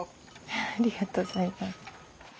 ありがとうございます。